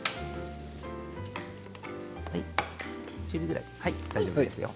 中火ぐらいで大丈夫ですよ。